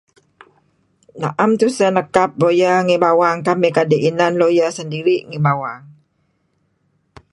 Naem tuseh nekap lawyer ngi bawang kamih may kdi' inan lawyer sendiri' ngi bawang.